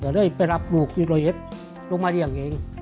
ก็เลยไปรับหนูกิโรเอสลงมาเรียงเอง